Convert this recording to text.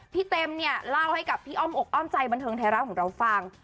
เต็มเนี่ยเล่าให้กับพี่อ้อมอกอ้อมใจบันเทิงไทยรัฐของเราฟัง